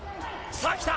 さあ、きた。